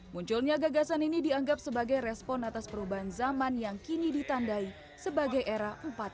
munculnya gagasan ini dianggap sebagai respon atas perubahan zaman yang kini ditandai sebagai era empat